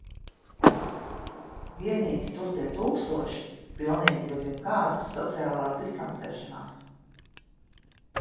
Vienīgi tur tie tūkstoši pilnīgi bez jebkādas sociālās distancēšanās.